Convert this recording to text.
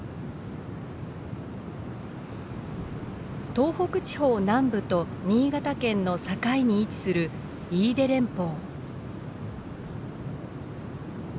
東北地方南部と新潟県の境に位置する飯豊連峰。